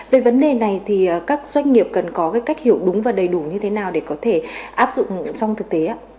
về vấn đề này thì các doanh nghiệp cần có cái cách hiểu đúng và đầy đủ như thế nào để có thể áp dụng trong thực tế ạ